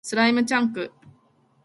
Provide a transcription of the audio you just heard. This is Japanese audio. スライムチャンク